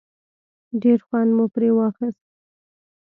ډېر خوند مو پرې واخیست.